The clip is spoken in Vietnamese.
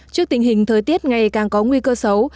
trước tình hình thời tiết ngày càng có nguy cơ xấu